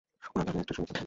ওনার ঘাড়ে একটা সুঁইয়ের দাগ।